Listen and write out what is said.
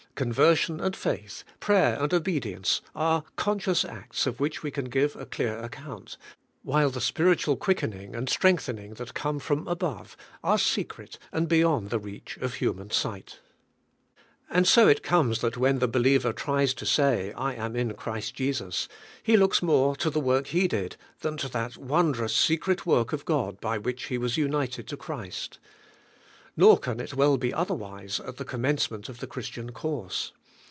Conversion and faith, prayer and obedience, are conscious acts of which we can give a clear account; while the spiritual quickening and strengthening that come from above are secret and be yond the reach of human sight. And so it conies that when the believer tries to say, *I am in Christ Jesus,' he looks more to the work he did, than to that won drous secret work of God by which he was united to Christ. Nor can it well be otherwise at the com mencement of the Christian course.